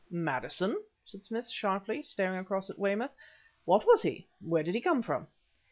"Maddison?" said Smith sharply, staring across at Weymouth. "What was he? Where did he come from?"